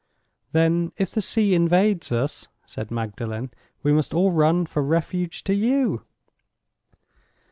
"Then, if the sea invades us," said Magdalen, "we must all run for refuge to you."